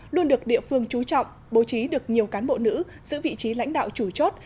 luôn được địa phương trú trọng bố trí được nhiều cán bộ nữ giữ vị trí lãnh đạo chủ chốt